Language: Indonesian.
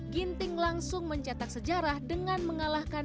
ginting langsung mencetak sejarah dengan mengalahkan